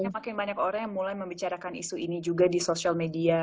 semakin banyak orang yang mulai membicarakan isu ini juga di social media